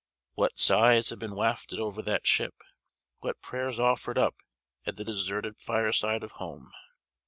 What sighs have been wafted after that ship! what prayers offered up at the deserted fireside of home!